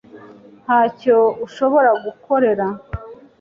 Ntacyo ushobora gukorera .